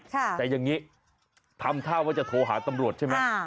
แต่อย่างนี้ทำท่าว่าจะโทรหาตำรวจใช่ไหม